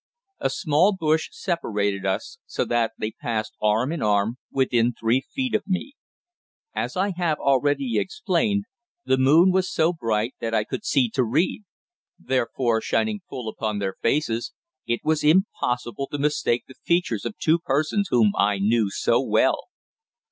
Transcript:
A small bush separated us, so that they passed arm in arm within three feet of me. As I have already explained, the moon was so bright that I could see to read; therefore, shining full upon their faces, it was impossible to mistake the features of two persons whom I knew so well.